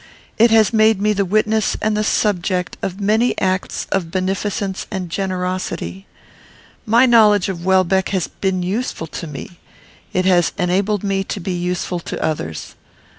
It has made me the witness and the subject of many acts of beneficence and generosity. My knowledge of Welbeck has been useful to me. It has enabled me to be useful to others.